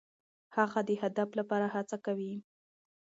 هغه د هدف لپاره هڅه کوي.